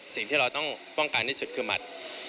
สิ่งที่เราต้องป้องกันที่สุดคือหมัด